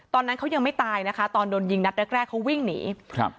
ตอนนั้นเขายังไม่ตายนะคะตอนโดนยิงนัดแรกแรกเขาวิ่งหนีครับ